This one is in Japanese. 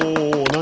何？